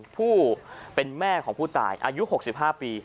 ผู้เป็นแม่ของผู้ตายอายุหกสิบห้าปี